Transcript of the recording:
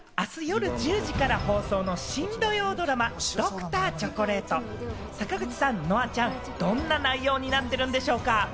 明日夜１０時からスタートの新土曜ドラマ『Ｄｒ．チョコレート』。坂口さん、乃愛ちゃん、どんな内容になってるんでしょうか？